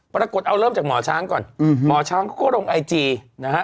ปรากฏเอาเริ่มจากหมอช้างก่อนหมอช้างเขาก็ลงไอจีนะฮะ